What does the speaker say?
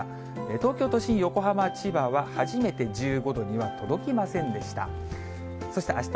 東京都心、横浜、千葉は初めて１５度には届きませんでした。